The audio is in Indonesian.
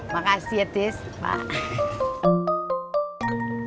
makasih ya tis pak